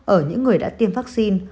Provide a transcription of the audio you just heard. ở những người đã tiêm vaccine